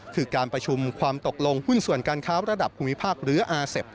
คือการประชุมความตกลงหุ้นส่วนการค้าระดับภูมิภาคหรืออาเซฟ